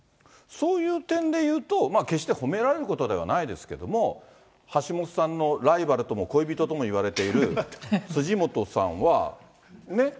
そういう点で言うと、決して褒められることではないですけども、橋下さんのライバルとも恋人ともいわれている辻元さんは、ねっ。